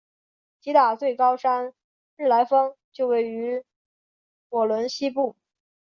吉打最高山日莱峰就位于莪仑西部。